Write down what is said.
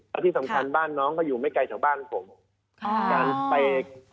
แล้วที่สำคัญบ้านน้องเขาอยู่ไม่ไกลจากบ้านผม